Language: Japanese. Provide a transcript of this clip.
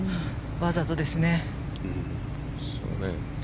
わざとですね。